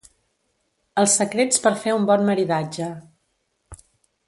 Els secrets per fer un bon maridatge.